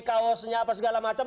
kaosnya apa segala macam